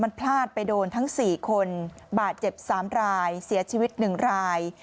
มันพลาดไปโดนทั้ง๔คนบาดเจ็บ๓รายเสียชีวิต๑ราย